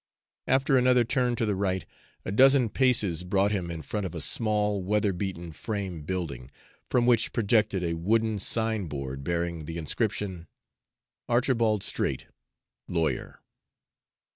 After another turn to the right, a dozen paces brought him in front of a small weather beaten frame building, from which projected a wooden sign board bearing the inscription: ARCHIBALD STRAIGHT, LAWYER.